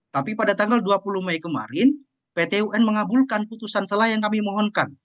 tapi pada tanggal dua puluh mei kemarin pt un mengabulkan putusan selah yang kami mohonkan